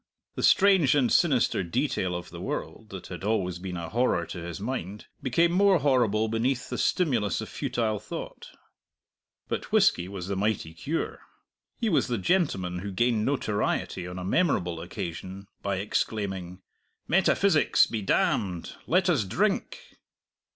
The strange and sinister detail of the world, that had always been a horror to his mind, became more horrible beneath the stimulus of futile thought. But whisky was the mighty cure. He was the gentleman who gained notoriety on a memorable occasion by exclaiming, "Metaphysics be damned; let us drink!"